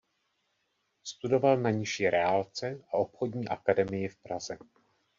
Studoval na nižší reálce a obchodní akademii v Praze.